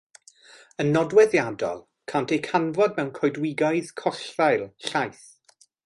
Yn nodweddiadol, cânt eu canfod mewn coedwigoedd collddail, llaith.